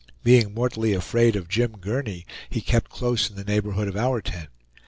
Being mortally afraid of Jim Gurney, he kept close in the neighborhood of our tent.